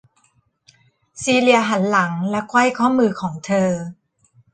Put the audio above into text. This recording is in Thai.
ซีเลียหันหลังและไขว้ข้อมือของเธอ